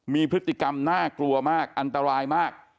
มีพฤติกรรมน่ากลัวมากอันตรายมาก